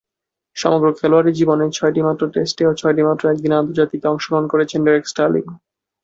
সমগ্র খেলোয়াড়ী জীবনে ছয়টিমাত্র টেস্টে ও ছয়টিমাত্র একদিনের আন্তর্জাতিকে অংশগ্রহণ করেছেন ডেরেক স্টার্লিং।